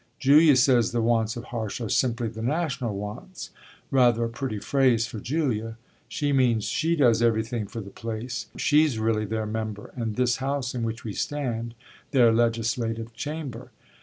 Julia says the wants of Harsh are simply the national wants rather a pretty phrase for Julia. She means she does everything for the place; she's really their member and this house in which we stand their legislative chamber.